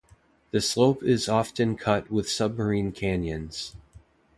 The slope is often cut with submarine canyons.